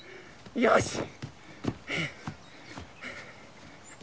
よし！